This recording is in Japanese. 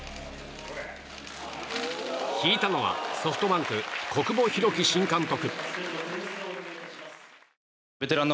引いたのはソフトバンク小久保裕紀新監督。